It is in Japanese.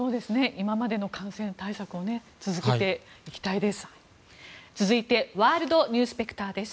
今までの感染対策を続けていきたいです。